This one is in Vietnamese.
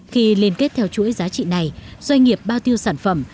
khi liên kết theo chuỗi giá trị này doanh nghiệp bao tiêu sản phẩm